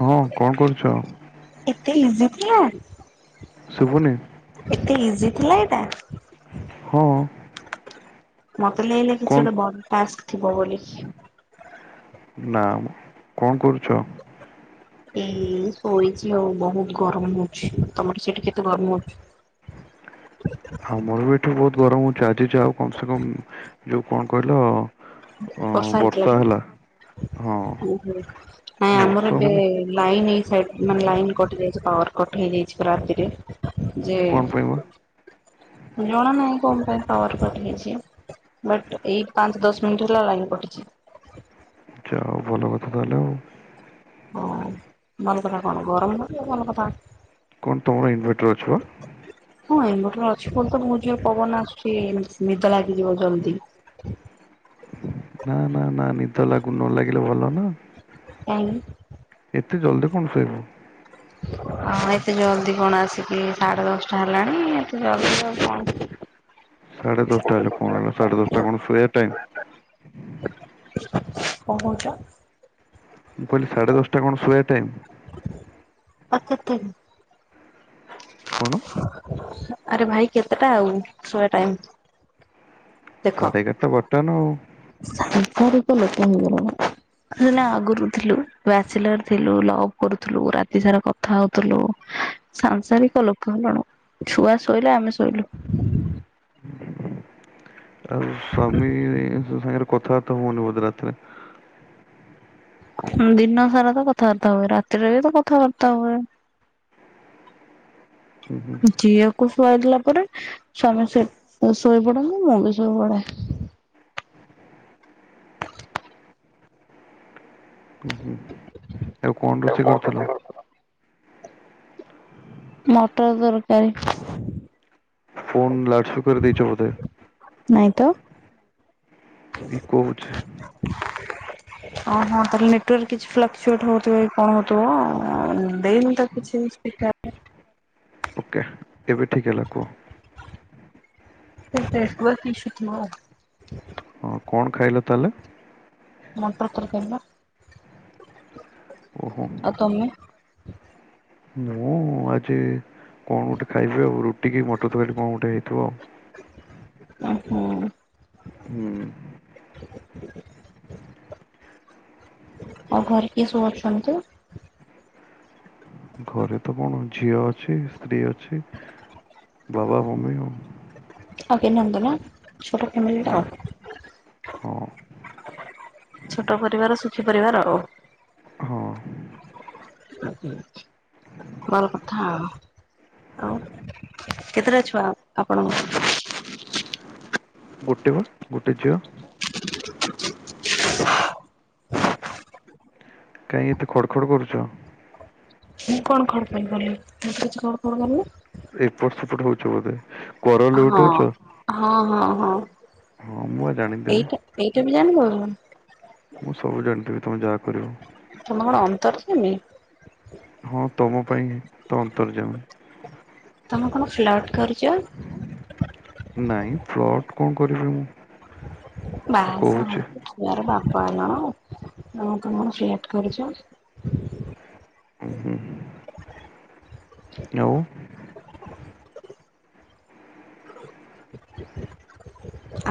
ହଁ କଣ କରୁଛ? ଏତେ ଇଜି [unintelligible] ଶୁଭୁନି। ଏତେ ଇଜି ଥିଲା ଏଇଟା। ହଁ ମତେ ଲାଗିଲା କିଛି କଣ ଗୋଟେ ବଡ ଟାସ୍ ଥିବ ବୋଲି। ନା କଣ କରୁଛ? ଏଇ ଶୋଇଛି ଆଉ ବହୁତ ଗରମ ହଉଛି ତମର ସେଠି କେତେ ଗରମ ହଉଛ? [inaudible] ଆଉ ମୋର ବି ଏଠି ବହୁତ ଗରମ ହଉଛି ଆଜି ଆଉ କମ ସେ କମ ଯୋଉ କଣ କହିଲ ବର୍ଷା ହେଇଥିଲା ଆଜି? ହଁ। ଓହୋ ନାଇଁ ଆମର ବର୍ଷା ମାନେ ଏବେ ଲାଇନ ଏଇ ସାଇ ମାନେ ଲାଇନ କୋଠ ଯାଇଛି ପାୱାର କଟ ହେଇଯାଇଛି ପ୍ର ରାତିରେ ଯେ କଣ ପାଇଁ ବା ଜଣା ନାହିଁ କଣ ପାଇଁ ପାୱାର କଟ ହେଇଛି ବଟ ଏଇ ପାଞ୍ଚ ଦଶ ମିନିଟ ହେଲା ଲାଇନ କଟିଛି। [inaudible] ଆଛା ହଉ ଭଲ କଥା ତାହାଲେ। [unintelligible] କଣ ତମର ଇନଭର୍ଟର ଅଛି ବା? [unintelligible] ପବନ ଆସୁଛି [unintelligible] ନା ନା ନା ନିଦ ଲାଗୁ ନ ଲାଗିଲେ ଭଲ ନା କାଇଁ? ଏତେ ଜଲଦି କଣ ଶୋଇବ? ହଁ ଏତେ ଜଲ୍ଦି କଣ ଆସିକି ସାଢେ [unintelligible] ସାଢେ ଦଶଟା ହେଲେ କଣ ହେଲା ସାଢେ ଦଶଟା କଣ ସୋଇବା ଟାଇମ୍? କଣ କହୁଛ? ମୁଁ କହିଲି ସାଢେ ଦଶଟା କଣ ଶୋଇବା ଟାଇମ? [unintelligible] କଣ? ଆରେ ଭାଇ କେତେଟା ଆଉ? ଶହେ ଟାଇମ। ସାଢ଼େ ଏଗାରଟା ବାରଟା ନା ଆଉ। ସାଂସାରିକ ଲୋକେ ଆଗରୁ ଥିଲୁ ବ୍ୟଚଲର ଥିଲୁ ଲଭ କରୁଥିଲୁ ରାତି ସାରା କଥା ହଉଥିଲୁ ସାଂସାରିକ ଲୋକ ହେଲଣୁ ଛୁଆ ଶୋଇଲେ ଆମେ ଶୋଇଲୁ। ଆଉ ସ୍ଵାମୀ ଙ୍କ ସାଙ୍ଗରେ କଥାବାର୍ତ୍ତା ହୁଅନି ବୋଧେ ରାତିରେ? ଦିନ ସାରା ତ କଥା ବାର୍ତ୍ତା ହଏ ରାତିରେବିତ କଥା ବାର୍ତ୍ତା ହଏ। ହୁଁ ହୁଁ ଝିଅକୁ ଶୁଆଇଦେଲା ସ୍ୱାମୀ ଶୋଇ ପଡନ୍ତି ମୁ ବିି ଶୋଇ ପଡ଼େ। ହଁ ହୁଁ ଆଉ କଣ ରୋଷେଇ କରିଥିଲ? ମଟର ତରକାରୀ। ଫୋନ ଲାଉଡସ୍ପୀିକର ଦେଇଛ ବୋଧେ? ନାଇଁ ତ। ଇକୋ ହଉଛି। ଓ ହଁ ତାହେଲେ ନେଟୱାର୍କ କିଛି ଫ୍ଲାକ୍ଚୁଏଟ ହଉଥିବ କି କଣ ହଉଥିବ ଦେଇନି ତ କିଛି ସ୍ପିକର ଓକେ କେବେ ଠିକ୍ ହେଲା କୁହ। [unintelligible] ହଁ କଣ ଖାଇଲ ତାହେଲେ? ମଟର ତରକାରି ବା ଓହୋ ଆଉ ତମେ? [inaudible] ମୁଁ ଆଜି କଣ ଗୋଟେ ଖାଇବି ଆଉ ରୁଟି କି ମଟର ତରକାରୀ କଣ ଗୋଟେ ହେଇଥିବ ଆଉ। [unintelligible] ହୁଁ। ଆଉ ଘରେ କିଏ ସବୁ ଅଛନ୍ତି? ଘରେ ତ କଣ ଝିଅ ଅଛି ସ୍ତ୍ରୀ ଅଛି। ବାବା ମମି ଓ ଆଗେ ନନ୍ଦ ନା ଛୋଟ ଫ୍ୟାମିଲିଟା ନା ଆଉ। ହଁ ଛୋଟ ପରିବାର ସୁଖୀ ପରିବାର ଓ। ହଁ। ଭଲ କଥା ଆଉ। ଆଉ କେତେଟା ଛୁଆ ଆପଣଙ୍କର? ଗୋଟେ ବା ଗୋଟେ ଝିଅ। କାଇଁ ଏତେ ଖଡ ଖଡ କରୁଛ? ମୁଁ କଣ ଖଡ୍ ପାଇଁ କଲିି ମୁଁ ତ କିଛି ଖଡ ଖଡ କରିନି। ଏପଟ ସେପଟ ହଉଛ ବୋଧେ। କରଲ ହଁ, ଲେଉଟଉଛ ହଁ, ହଁ, ମୁଁ ଆ ହଁ। ଜାଣିଦେବି ଏଇଟା ଏଇଟା ବି ଜାଣିଦବ। ମୁଁ ସବୁ ଜାଣିଛି। ତମେ କଣ ଅନ୍ତର୍ଯ୍ୟାମି? ହଁ ତମ ପାଇଁ ତ ଅନ୍ତର୍ଯ୍ଯାମି। ତମେ କଣ ଫ୍ଲଟ୍ କରୁଛ? ନାଇଁ ଫ୍ଲଟ୍ କଣ କରିବି ମୁଁ। ବାଆ ସାହା କହୁଛି ହେଇକି ଛୁଆର ବାପ ହ ନା ଆ ତମେ ଚାଟ୍ କରୁଛ। ହ ହୁଁ ହୁ। ଆଉ?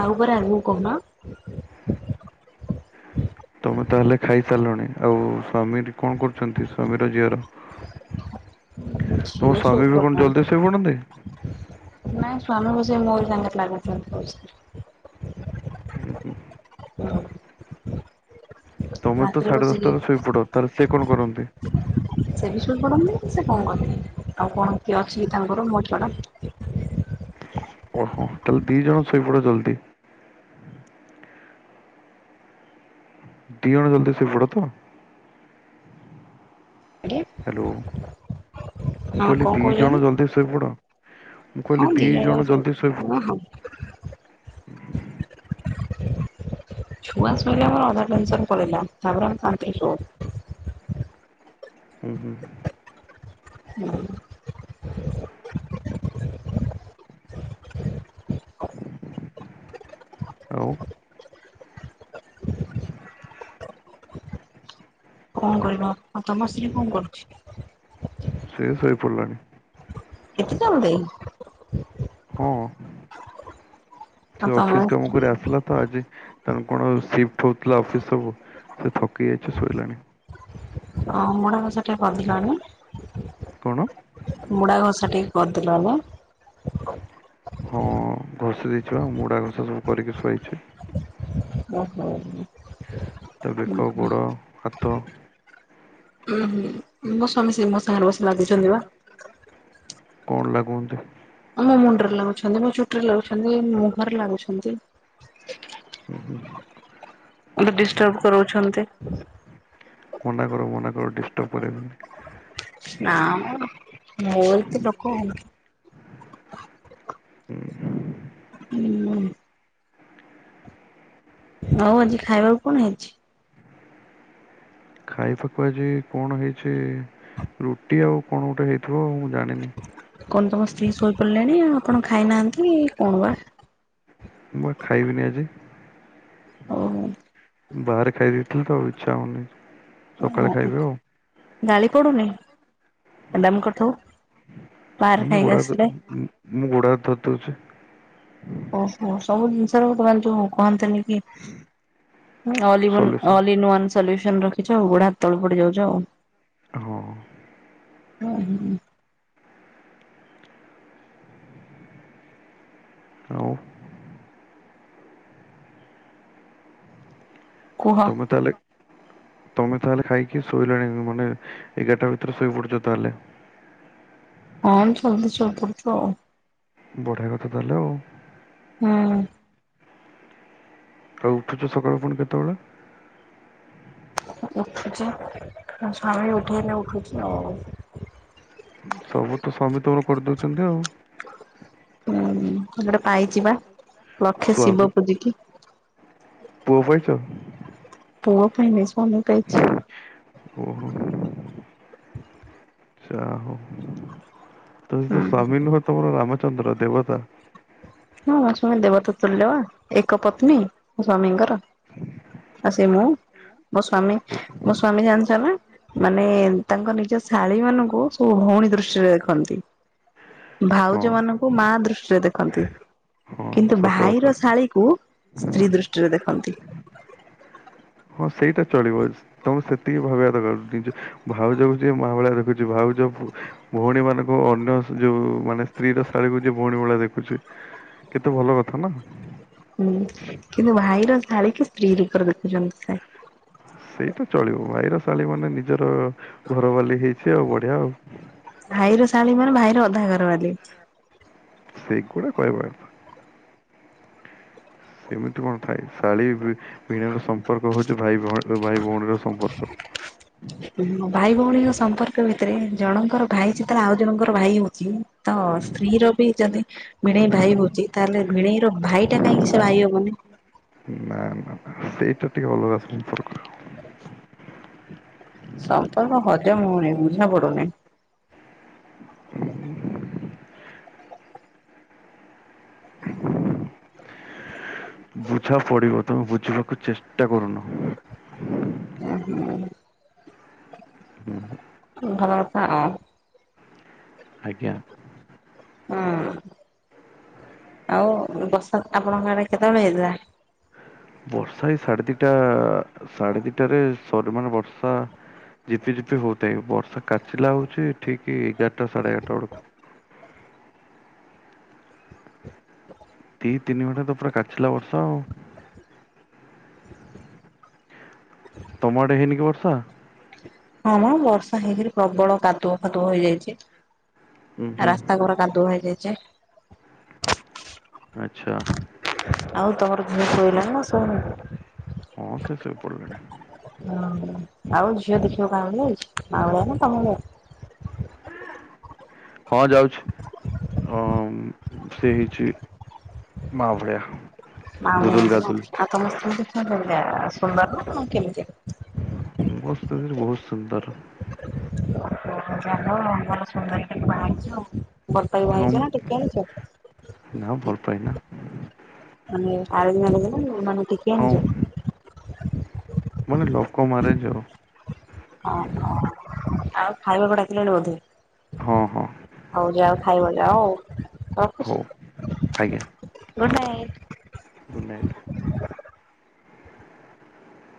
ଆଉ ପରେ ଆଗକୁ କହୁନ। ତମେ ତାହାଲେ ଖାଇସାରିଲଣି ଆଉ ସ୍ଵାମୀ ହେଟି କଣ କରୁଛନ୍ତି ସ୍ଵାମୀର ଝିଅର? [unintelligible] ତମ ଝିଅ ସ୍ଵାମୀ ଶୋଇ ବି କଣ ଜଲ୍ଦି ଶୋଇପଡନ୍ତି ପଡ଼ିଲାଣୀ। ନାଇଁ ସ୍ଵାମୀ ଅଛି ମୋର। ତାଙ୍କେ ଲାଗୁଛନ୍ତି ପଇସାରେ ହୁଁ ହୁଁ। [unintelligible] ତୁମେ ତ ରାତିରେ ସାଢ଼େ ବସିକି ଦଶଟାରେ ଶୋଇପଡ଼ ତାହେଲେ ସେ କଣ କରନ୍ତି? ସେ ବି ଶୋଈ ପଡ଼ନ୍ତି ସେ କଣ କରିବେ। ଆଉ କଣ କିଏ ଅଛି କି ତାଙ୍କର ମୋ ଛଡା। ଓହୋ ତାହାଲେ ଦି ଜଣ ଶୋଇପଡ ଜଲ୍‌ଦି? ଦି ଜଣ ଜଲ୍‌ଦି ଶୋଇପଡ଼ ତ ଆଜ୍ଞା ହ୍ୟାଲୋ ମୁଁ ହଁ କହିଲି କଣ ଦି ଜଣ କହୁଛନ୍ତି ଜଲ୍‌ଦି ଶୋଇପଡ? ମୁଁ ହଁ କହିଲି ଦି ଯାକ ଜଣ ଶୋଇବୁ ଜଲ୍‌ଦି ଶୋଇପଡ? ହଁ ହଁ ହଁ ଛୁଆ ଶୋଇଲେ ଆମର ଅଧା ଟେନ୍‌ସନ୍‌ ପଳେଇଲା। ତାପରେ ଆମେ ଶାନ୍ତିରେ ଶୋଉ। ହଁ ଉହୁଁ ହଁ। ଆଉ? କଣ କହିବ ଆଉ ତମ ସ୍ତ୍ରୀ କଣ କରୁଛି? ସେ ଶୋଇ ପଡ଼ିଲାଣି। ଏତେ ଜଲ୍ଦୀ? ହଁ ଆଉ ସେ ତମ ଅଫିସ୍‌ କାମ କରି ଆସିଲା ତ ଆଜି ତେଣୁ କଣ ସିଫ୍ଟ ହଉଥିଲା ଅଫିସ୍‌ ସବୁ ସେ ଥକି ଯାଇଛି ଶୋଇଲାଣି। ହଁ ମୁଡ଼ା ଘସା ଟିକେ କରି ଦେଲନି। କଣ ମୁଡ଼ା ଘସା ଟିକେ ଘସିଦେଲନି ହଁ ଘଷି ଦେଇଚି ବା ମୋଡା ଘଷା ସବୁ କରିକି ଶୋଇଚି। ଓହୋ ହୁଁ। ତା ବେକ, ଗୋଡ଼, ହାତ ଉଁ ହୁଁ ମୋ ସ୍ୱାମୀ ସେଇ ମୋ ସାଙ୍ଗରେ ବସି ଲାଗୁଚନ୍ତି ବା। କଣ ଲାଗୁଅନ୍ତି? ମୋ ମୁଣ୍ଡରେ ଲାଗୁଛନ୍ତି, ମୋ ଚୁଟିରେ ଲାଗୁଛନ୍ତି, ମୁହଁରେ ଲାଗୁଛନ୍ତି। ହୁଁ ହୁଁ। ମତେ ଡିଷ୍ଟର୍ବ କରୋଉଛନ୍ତି। ମନା କର ମନା କର ଡିଷ୍ଟର୍ବ କରେଇବେନି। ନାମ ବୋହୁତ ଲୋକ। ହୁଁ। ଆଉ ଆଜି ଖାଇବାକୁ କଣ ହେଇଚି? ଖାଇବାକୁ ଆଜି କଣ ହେଇଚି ରୁଟି ଆଉ କଣ ଗୋଟେ ହେଇିଥି କଣ ତମ ସ୍ତ୍ରୀ ଶୋଇପଡିଲେଣି ଆପଣ ଖାଇନାହାନ୍ତି କଣ ବା? ମୁଁ ପା ଖାଇବିନି ଆଜି ଓହୋ। ବାହାରେ ଖାଇଦେଇ ଥିଲି ତ ଆଉ ଇଚ୍ଛା ହୋଉନି ସକାଳେ ଖାଇବି ଆଉ। ଗାଳି ପଡୁନି? ହେଲେ ଆମେ କଥା ହଁ ବାହାରେ ମୁଁ ଗୋଡ ଖାଇକି ହାତ ଆସିଥିଲେ। ମୁଁ ଗୋଡ ହାତ ଧୋଇ ଦଉଛି ଓହୋ ସବୁ ଜିନିଷର ଦବାରେ [unintelligible] ଯୋଉ କହନ୍ତିନି। ଉଁ all in solution all in one solution ରଖିଚୁ ଗୋଡ ହାତ ତଳେ ପଡି ଯାଉଚୁ ଆଉ। ହଁ। ଉଁ ହୁଁ। ଆଉ କୁହ ତମେ ତାହଲେ ତମେ ତାହେଲେ ଖାଇକି ଶୋଇଲଣି ମାନେ ଏଗାରଟା ଭିତରେ ଶୋଇ ପଡୁଚ ତାହେଲେ। ହଁ ଆମେ ଜଲ୍ଦୀ ଶୋଇପଡୁଚୁ ଆଉ। ବଢିଆ କଥା ତାହେଲେ ଆଉ। ହୁଁ। ଆଉ ଉଠୁଚ ସକାଳୁ ପୁଣି କେତେବେଳେ? ଉଠୁଚି ସ୍ୱାମୀ ଉଠେଇଲେ ଉଠୁଚି ଆଉ। ସବୁ ତ ସ୍ୱାମୀ ତମର କରିଦୋଉଚନ୍ତି ଆଉ। ହୁଁ ଗୋଟେ ପାଇଚି ପା ଲକ୍ଷେ ସ୍ୱାମୀ ଶିବ ପୂଜିକି। ପୁଅ ପାଇଚ। ପୁଅ ପାଇନି ସ୍ୱାମୀ ପାଇଚି। ଓହୋ ଯାହା ଯୋଉ। ତ ତୋ ହୁଁ ସ୍ଵାମୀ ନୁହଁ ତମ ରାମଚନ୍ଦ୍ର ଦେବତା। ହଁ ମୋ ସ୍ୱାମୀ ଦେବତା ତୁଲ୍ୟ ଏକ ପତ୍ନୀ ମୋ ସ୍ଵାମୀଙ୍କର। [inaudible] କିଏ ମୁଁ ମୋ ସ୍ଵାମୀ ମୋ ସ୍ଵାମୀ ଜାଣିଚ ନାଁ ମାନେ ତାଙ୍କ ନିଜ ଶାଳୀ ମାନଙ୍କୁ ସବୁ ଭଉଣୀ ଦୃଷ୍ଟିରେ ଦେଖନ୍ତି। ହଁ ଭାଉଜ ମାନଙ୍କୁ ମା ଦୃଷ୍ଟିରେ ଦେଖନ୍ତି। ହଁ କିନ୍ତୁ ସତ କଥା ଭାଇର ଶାଳୀକୁ ସ୍ତ୍ରୀ ଦୃଷ୍ଟିରେ ଦେଖନ୍ତି। ହଁ ସେଇଟା ଚଳିବ ତମେ ସେତିକି ଭାବିବା ଦରକାର ଭାଉଜକୁ ଯିଏ ମା ଭଳିଆ ଦେଖୁଚି ଭାଉ ଜ ଭଉଣୀ ମାନଙ୍କୁ ଅନ୍ୟ ଯୋଉ ମାନେ ସ୍ତ୍ରୀ ର ଶାଳୀକୁ ଯିଏ ଭଉଣୀ ଭଳିଆ ଦେଖୁଚି କେତେ ଭଲ କଥା ନା। ହୁଁ କିନ୍ତୁ ଭାଇର ଶାଳୀ କି ସ୍ତ୍ରୀ ରୂପରେ ଦେଖୁଚନ୍ତି ସେ। ଏଇଟା ଚଳିବ ଭାଇର ଶାଳୀ ମାନେ ନିଜର ଘର ବାଲି ହେଇଚି ଆଉ ବଢିଆ ଆଉ। ଭାଇର ଶାଳୀ ମାନେ ଭାଇର ଅଧା ଘର ବାଲି। ସେଗୁଡା କହିବା କଥା। ସେମିତି କଣ ଥାଏ ଶାଳୀ ଭି ଭିଣେଇର ସମ୍ପର୍କ ହଉଛି ଭାଇ ଭଉଣର ଭାଇ ଭଉଣୀର ସମ୍ପର୍କ। [inaudible] ଭାଇ ଭଉଣୀଙ୍କ ସମ୍ପର୍କ ଭିତରେ ଜଣଙ୍କର ଭାଇ ଯେତେବେଳେ ଆଉ ଜଣଙ୍କର ଭାଇ ହଉଛି ତ ସ୍ତ୍ରୀ ର ବି ଯଦି ଭିଣେଇ ଭାଇ ହଉଛି ତାହେଲେ ଭିଣେଇ ର ଭାଇ ଟା କାହିଁକି ସେ ଭାଇ ହବନି। ନା ନା ସେଇଟା ଟିକେ ଅଲଗା ସମ୍ପର୍କରେ। ସମ୍ପର୍କ ହଜମ ହଉନି ବୁଝା ପଡୁନି। [unintelligible] [inaudible] ବୁଝା ପଡିବ ତମେ ବୁଝିବାକୁ ଚେଷ୍ଟା କରୁନ। ହୁଁ ହୁଁ। ହୁଁ। ଭଲଥାଉ। ଆଜ୍ଞା। ହଁ ଆଉ ବସ ଆପଣଙ୍କ ଆଡେ କେତେବେଳେ ହେଇଥିଲା? ବର୍ଷା ଏଇ ସାଢେ ଦିଟା ସାଢେ ଦିଟାରେ ସର୍ ମାନେ ବର୍ଷା ଝିପିଝିପି ହଉଥାଏ ବର୍ଷା କାଚିଲା ହଉଛି ଠିକ ଏଗାରଟା ସାଢେ ଏଗାରଟା ବେଳକୁ। ଦି ତିନି ଘଣ୍ଟା ତ ପୁରା କାଚିଲା ବର୍ଷା ଆଉ। ତମ ଆଡେ ହେଇନି କି ବର୍ଷା? ହଁମ ବର୍ଷା ହେଇକିରି ପ୍ରବଳ କାଦୁଅ ଫାଦୁଅ ହେଇଯାଇଛି। ଉଁ ହୁଁ ରାସ୍ତା ଘୋର କାଦୁଅ ହେଇଯାଇଚି। ଆଛା। ଆଉ ତମର ଝିଅ ଶୋଇଲାଣି ନା ଶୁନ। ହଁ ସେ ଶୋଇପଡିଲାଣି। ହୁଁ ଆଉ ଝିଅ ଦେଖିବା କାଁ ଭଳି ଯଇଛି ମାଉଳିଆ ନା ତମ ଭଳିଆ। [inaudible] ହଁ ଯାଉଛି ଅମ୍ ସେ ହେଇଛି। ମାବଳିଆ। [unintelligible] ପ୍ରସ୍ତୁତି ବହୁତ ସୁନ୍ଦର। ଜଲ ଭଲ ସୁନ୍ଦରି ଟେ ବା ହେଇଛି ଆଉ। ବରକାଇ କି ଭା ହଁ ହେଇଛ ନା ଟିକେ ଆଣିଛ? ନା ଭଲ ପାଏ ନା। ମାନେ ଆରେଞ୍ଜ ମାରେଞ୍ଜ ନା ମାନେ ଟେକି ହଁ ଆଣିଛ। ମାନେ ଲୋକ ମରେଯାଉ। ଓହୋ ଆଉ ଖାଇବାକୁଡାକିଲାଣି ବୋଧେ। ହଁ ହଁ ହଉ ଯାାଉ ଖାଇବା ଯ ଆଉ ହଉ ରଖୁଛି। ଆଜ୍ଞା ଗୁଡ଼୍ ନାଇଟ୍। Good night.